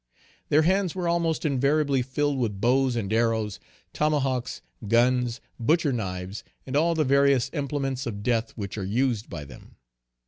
Their hands were almost invariably filled with bows and arrows, tomahawks, guns, butcher knives, and all the various implements of death which are used by them.